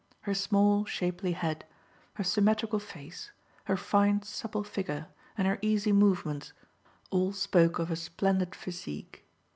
Her small, shapely head, her symmetrical face, her fine supple figure, and her easy movements, all spoke of a splendid physique.